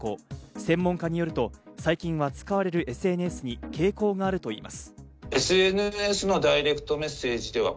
専門家によると最近は使われるＳＮＳに傾向があるといいます。